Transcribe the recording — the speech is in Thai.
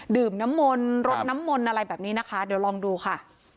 ดื่มน้ำมนต์รดน้ำมนต์อะไรแบบนี้นะคะเดี๋ยวลองดูค่ะ